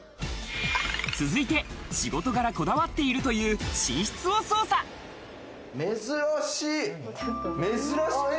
続いて、仕事柄こだわっているという珍しい！